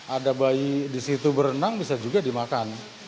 ada bayi di situ berenang bisa juga dimakan